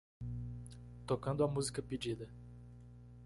Tocando a música pedida.